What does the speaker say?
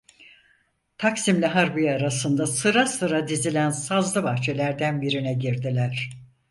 Taksim’le Harbiye arasında sıra sıra dizilen sazlı bahçelerden birine girdiler.